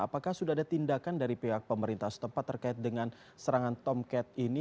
apakah sudah ada tindakan dari pihak pemerintah setempat terkait dengan serangan tom cat ini